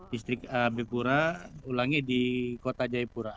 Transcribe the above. distrik ab pura ulangi di kota jaipura